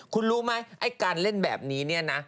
คุณรู้ไหมไอ้การเล่นแบบนี้เนี่ยนะ